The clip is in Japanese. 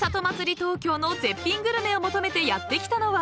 東京の絶品グルメを求めてやって来たのは］